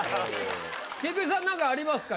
菊地さん何かありますか？